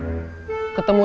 tidak ada operasi bos